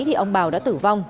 thì ông bào đã tử vong